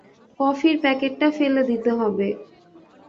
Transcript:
কফির প্যাকেটটা ফেলে দিতে হবে।